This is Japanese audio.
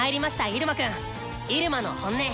入間くん」「入間の本音」。